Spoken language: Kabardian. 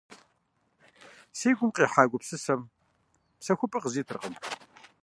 Си гум къихьа гупсысэм псэхупӀэ къызитыркъым.